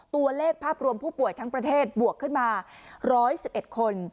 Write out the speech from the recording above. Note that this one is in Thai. ตัวเลขภาพรวมผู้ป่วยทั้งประเทศบวกขึ้นมา๑๑๑คน